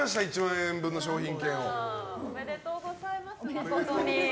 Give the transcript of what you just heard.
誠に。